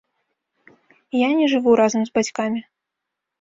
Я не жыву разам з бацькамі.